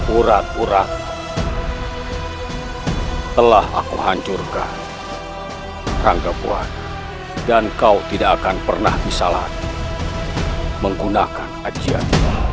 urat urat telah aku hancurkan rangka puan dan kau tidak akan pernah bisa lagi menggunakan ajian